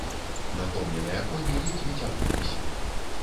Натомленыя коні ледзьве цягнуліся.